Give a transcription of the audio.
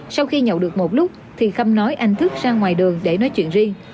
sau khi nhậu được một lúc thì khâm nói anh thức ra ngoài đường để nói chuyện riêng